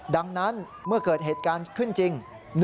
ดังนั้นเมื่อเกิดเหตุการณ์ขึ้นจริง